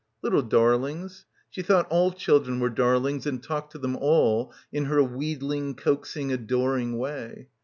"Little dorlings." She thought all children were darlings and talked to them all in her tweedling, coaxing, adoring way.